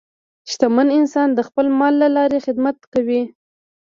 شتمن انسان د خپل مال له لارې خدمت کوي.